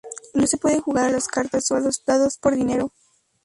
No se puede jugar a las cartas o a los dados por dinero.